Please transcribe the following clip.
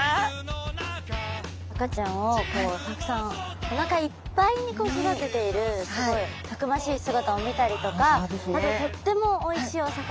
赤ちゃんをこうたくさんお腹いっぱいにこう育てているすごいたくましい姿を見たりとかあととってもおいしいお魚でしたよね！